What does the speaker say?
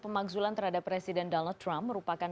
pemakzulan terhadap presiden donald trump merupakan